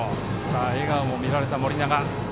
笑顔も見られた、盛永。